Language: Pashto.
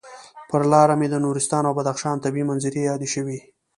پر لاره مې د نورستان او بدخشان طبعي منظرې یادې شوې.